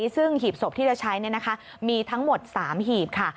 ซึ่งหีบศพที่จะใช้มีทั้งหมด๓หีบค่ะ